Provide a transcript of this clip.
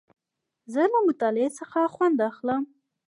زه له مطالعې څخه خوند اخلم.